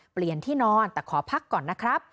เปลี่ยนที่นอนแต่ขอพักก่อนนะครับ